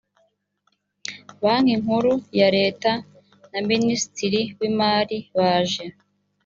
banki nkuru ya leta na minisitiri w imari baje